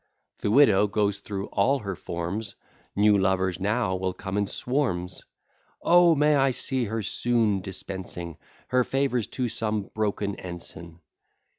The widow goes through all her forms: New lovers now will come in swarms. O, may I see her soon dispensing Her favours to some broken ensign!